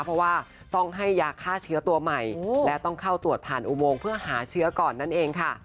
เพราะว่าต้องให้ยาฆ่าเชื้อตัวใหม่และต้องเข้าตรวจผ่านอุโมงเพื่อหาเชื้อก่อนนั่นเองค่ะ